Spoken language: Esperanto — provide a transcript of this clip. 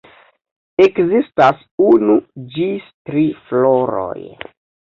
Ekzistas unu ĝis tri floroj.